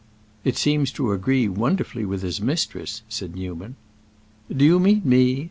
"It seems to agree wonderfully well with his mistress," said Newman. "Do you mean me?